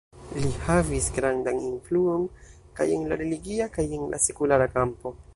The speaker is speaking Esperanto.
Li havis grandan influon kaj en la religia kaj en la sekulara kampo.